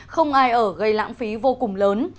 không ai ở gây lãng phí vô cùng lớn